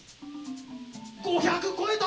５００超えた！